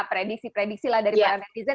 prediksi prediksi lah dari para netizen